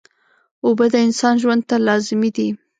اوبه د انسان ژوند ته لازمي دي